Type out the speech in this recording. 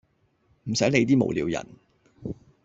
唔洗理啲無聊人